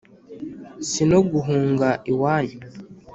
si no guhunga iwanyu